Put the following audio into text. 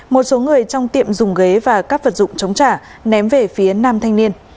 một số người trong tiệm dùng ghế và các vật dụng chống trả ném về phía nam thanh niên